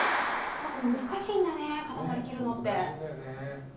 難しいんだね、塊、切るのって。